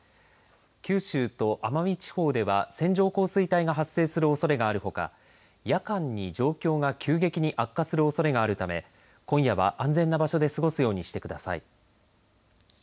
九州と奄美地方では線状降水帯が発生するおそれがあるほか夜間に状況が急激に悪化するおそれがあるため今夜は安全な場所で過ごすようにしてください。